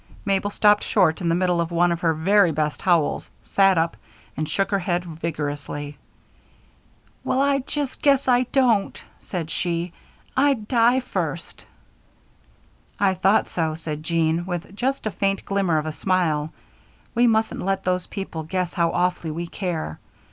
Mabel stopped short in the middle of one of her very best howls, sat up, and shook her head vigorously. "Well, I just guess I don't," said she. "I'd die first!" "I thought so," said Jean, with just a faint glimmer of a smile. "We mustn't let those people guess how awfully we care.